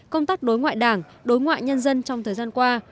công tác đối ngoại đảng đối ngoại nhân dân trong thời gian qua